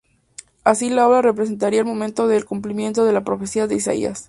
Así la obra representaría el momento del cumplimiento de la profecía de Isaías.